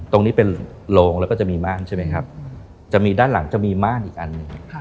ตรงนี้เป็นโรงแล้วก็จะมีม่านใช่ไหมครับจะมีด้านหลังจะมีม่านอีกอันหนึ่ง